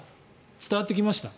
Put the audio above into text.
伝わってきました。